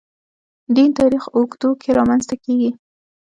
دین تاریخ اوږدو کې رامنځته کېږي.